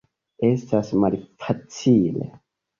Estas malfacile.